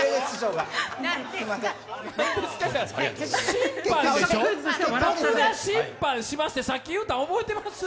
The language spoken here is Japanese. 審判でしょ、僕が審判しますってさっき言うたん覚えてます？